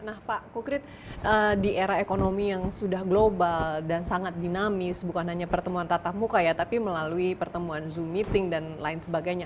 nah pak kukrit di era ekonomi yang sudah global dan sangat dinamis bukan hanya pertemuan tatap muka ya tapi melalui pertemuan zoom meeting dan lain sebagainya